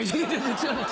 違う